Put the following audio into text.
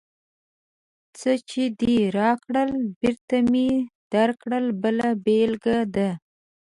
څه چې دې راکړل، بېرته مې درکړل بله بېلګه ده.